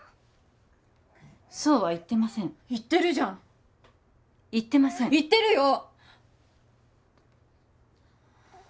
そうは言ってません言ってるじゃん言ってません言ってるよ